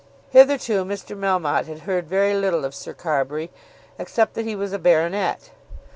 Hitherto Mr. Melmotte had heard very little of "Sir Carbury," except that he was a baronet.